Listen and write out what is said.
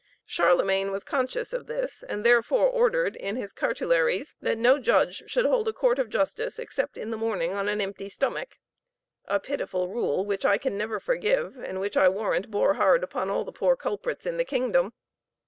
Charlemagne was conscious of this, and therefore ordered in his cartularies, that no judge should hold a court of justice except in the morning on an empty stomach. A pitiful rule which I can never forgive, and which I warrant bore hard upon all the poor culprits in the kingdom.